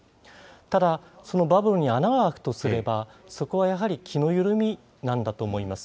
ただ、そのバブルに穴が開くとすれば、そこはやはり気の緩みなんだと思います。